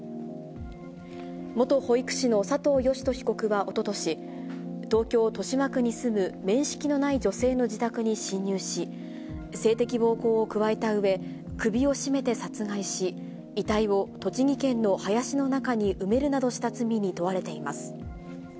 元保育士の佐藤喜人被告はおととし、東京・豊島区に住む面識のない女性の自宅に侵入し、性的暴行を加えたうえ、首を絞めて殺害し、遺体を栃木県の林の中に埋めるなどした罪に問われています。